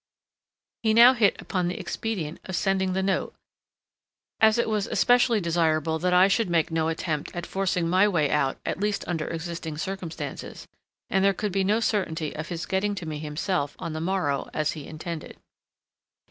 He now hit upon the expedient of sending the note, as it was especially desirable that I should make no attempt at forcing my way out at least under existing circumstances, and there could be no certainty of his getting to me himself on the morrow as he intended.